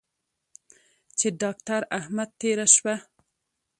چې داکتر احمد تېره شپه